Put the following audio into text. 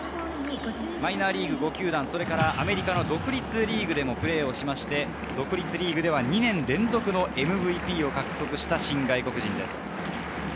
マイナーリーグ５球団、アメリカの独立リーグでもプレーをしまして、独立リーグでは２年連続のＭＶＰを獲得した新外国人です。